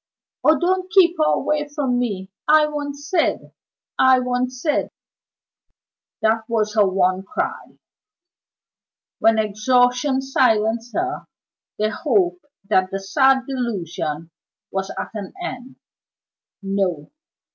"Oh, don't keep her away from me! I want Syd! I want Syd!" That was her one cry. When exhaustion silenced her, they hoped that the sad delusion was at an end. No!